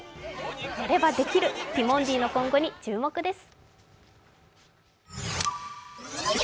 やればできる、ティモンディの今後に注目です。